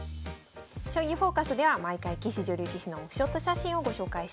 「将棋フォーカス」では毎回棋士女流棋士のオフショット写真をご紹介しています。